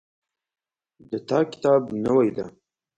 د تا کتاب نوی ده